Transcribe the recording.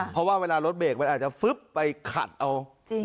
เพราะว่าเวลารถเบรกมันอาจจะฟึ๊บไปขัดเอาจริง